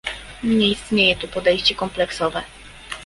Nie istnieje tu podejście kompleksowe